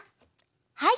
はい。